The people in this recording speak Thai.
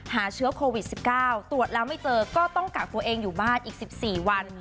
หาเชื้อโควิด๑๙ตรวจแล้วไม่เจอก็ต้องกักตัวเองอยู่บ้านอีก๑๔วัน